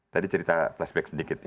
tadi cerita flashback sedikit ya